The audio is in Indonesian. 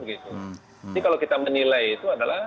kalau kita menilai itu adalah